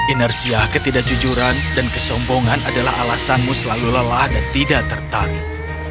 inersia ketidakjujuran dan kesombongan adalah alasanmu selalu lelah dan tidak tertarik